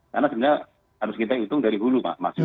karena sebenarnya harus kita hitung dari bulu